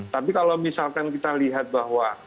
tapi kalau misalkan kita lihat bahwa